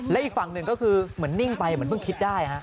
และอีกฝั่งหนึ่งก็คือเหมือนนิ่งไปเหมือนเพิ่งคิดได้ฮะ